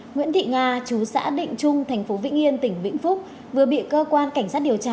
nguyễn thị nga chú xã định trung thành phố vĩnh yên tỉnh vĩnh phúc vừa bị cơ quan cảnh sát điều tra